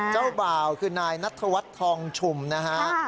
เจ้าบ่าวคือนายนัทวัฒน์ทองชุมนะฮะ